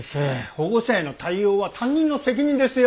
保護者への対応は担任の責任ですよ。